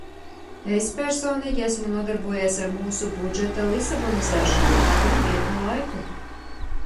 "Es personīgi esmu nodarbojies ar mūsu budžeta "lisabonizēšanu" tagad krietnu laiku."